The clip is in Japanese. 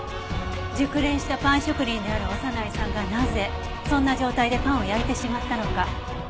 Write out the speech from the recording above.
熟練したパン職人である長内さんがなぜそんな状態でパンを焼いてしまったのか。